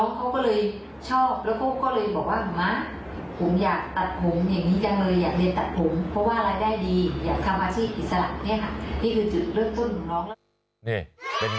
เนี่ยค่ะนี่คือจุดเริ่มต้นของน้อง